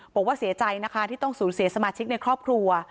บอกว่าเสียใจนะคะที่ต้องสูญเสียสมาชิกในครอบครัว